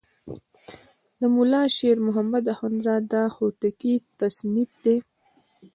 د ملا شیر محمد اخوندزاده هوتکی تصنیف دی.